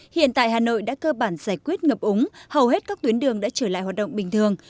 hiện tại hà nội đã cơ bản giải quyết ngập úng hầu hết các tuyến đường đã trở lại hoạt động bình thường